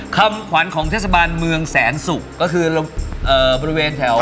คำขวัญของเทศบาลเมืองแสนศุกร์ก็คือบริเวณแถว